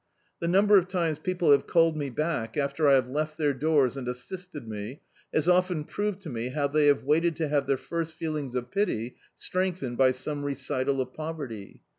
The number of times people have called me back, after I have left their doors, and assisted me, has often proved to me how they have waited to have their first feelings of pity strengthened by some recital of poverty.